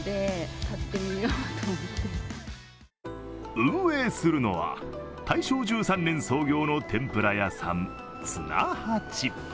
運営するのは、大正１３年創業の天ぷら屋さん、つな八。